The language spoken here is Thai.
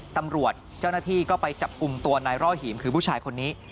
ตำรวจเจ้าหน้าที่ก็ไปจับกลุ่มตัวนายร่อหีมคือผู้ชายคนนี้